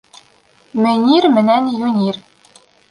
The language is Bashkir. МӨНИР МЕНӘН ЮНИР